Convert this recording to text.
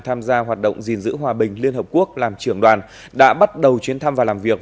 tham gia hoạt động gìn giữ hòa bình liên hợp quốc làm trưởng đoàn đã bắt đầu chuyến thăm và làm việc